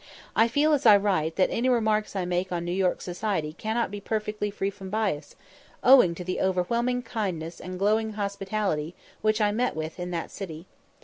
I feel, as I write, that any remarks I make on New York society cannot be perfectly free from bias, owing to the overwhelming kindness and glowing hospitality which I met with in that city.